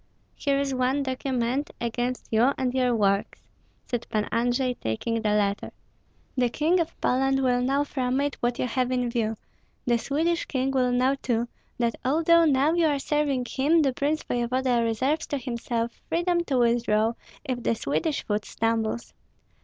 "Here is one document against you and your works," said Pan Andrei, taking the letter. "The King of Poland will know from it what you have in view; the Swedish King will know too, that although now you are serving him, the prince voevoda reserves to himself freedom to withdraw if the Swedish foot stumbles.